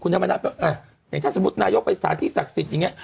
ถ้าสมมุตินายกไปสถานที่ศักดิ์สิทธิ์อย่างนี้